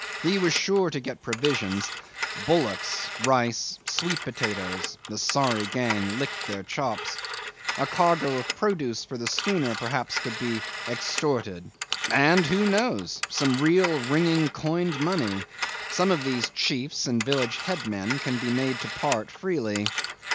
He was sure to get provisions bullocks rice sweet potatoes. The sorry gang licked their chops. A cargo of produce for the schooner perhaps could be extorted and, who knows? some real ringing coined money! Some of these chiefs and village headmen can be made to part freely.